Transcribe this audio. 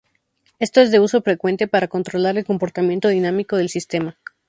Esto es de uso frecuente para controlar el comportamiento dinámico del sistema.